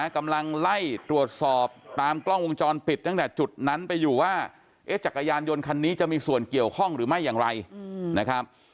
กำลังไล่ตรวจสอบตามกล้องวงจรปิดตั้งแต่จุดนั้นไปอยู่ว่าจักรยานยนต์คันนี้จะมีส่วนเกี่ยวข้องหรือไม่อย่างไรนะครับ